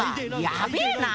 やべえな！